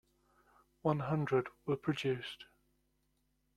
One hundred were produced.